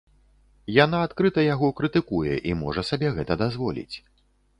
Яна адкрыта яго крытыкуе і можа сабе гэта дазволіць.